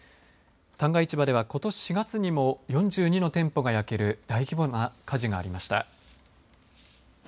旦過市場は、ことし４月にも４２の店舗が焼ける大規模な火事がありました。